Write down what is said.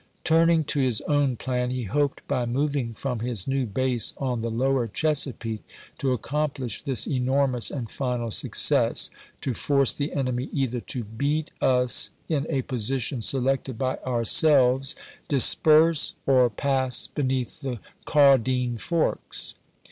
Turning to his own plan, he hoped by moving from his new base on the lower Chesapeake to accomplish this enormous and final success — to force the enemy either " to beat us in a position selected by ourselves, disperse, or pass beneath the Caudine forks."